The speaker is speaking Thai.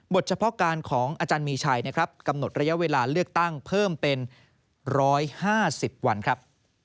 เฉพาะการของอาจารย์มีชัยนะครับกำหนดระยะเวลาเลือกตั้งเพิ่มเป็น๑๕๐วันครับ